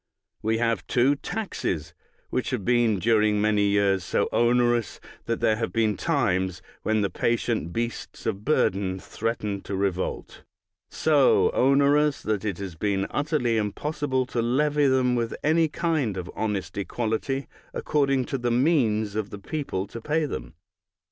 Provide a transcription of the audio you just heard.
We have, too, taxes which have been during many years so onerous that there have been times when the patient beasts of burden threat ened to revolt — so onerous that it has been utterly impossible to levy them with any kind of honest equality, according to the means of the people to pay them.